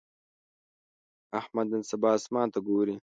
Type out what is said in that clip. احمد نن سبا اسمان ته ګوري.